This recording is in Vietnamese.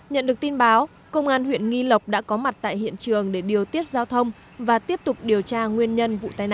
nhận được tin báo công an huyện nghi lộc đã có mặt tại hiện trường để điều tiết giao thông và tiếp tục điều tra nguyên nhân vụ tai nạn